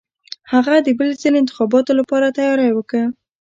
هغه د بل ځل انتخاباتو لپاره تیاری وکه.